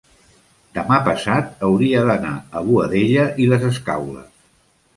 demà passat hauria d'anar a Boadella i les Escaules.